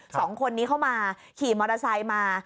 สองคนนี้เข้ามาขี่มอเตอร์ไซค์มา